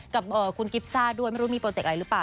กับคุณกิฟซ่าด้วยไม่รู้มีโปรเจกต์อะไรหรือเปล่า